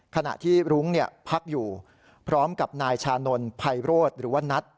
ขณะที่รุ้งพักอยู่พร้อมกับนายชานนท์ไพโรธหรือว่านัท